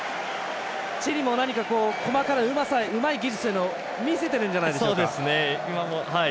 チリも、細かな、うまい技術を見せてるんじゃないですか。